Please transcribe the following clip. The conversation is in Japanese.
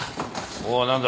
おっ何だ。